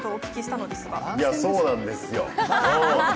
いや、そうなんですよ。